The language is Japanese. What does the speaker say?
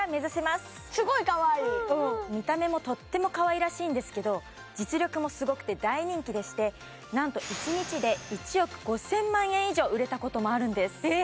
すごいかわいい見た目もとってもかわいらしいんですけど実力もすごくて大人気でしてなんと１日で１億５０００万円以上売れたこともあるんですえっ